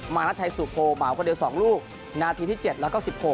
มารัชชัยสุโภหม่าวควรเดียว๒ลูกนาทีที่๗แล้วก็๑๖